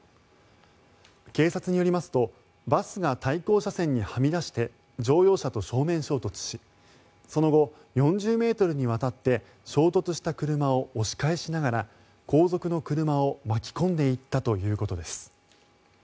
警察によりますとバスが対向車線にはみ出して乗用車と正面衝突しその後、４０ｍにわたって衝突した車を押し返しながら後続の車を巻き込んでいったということです。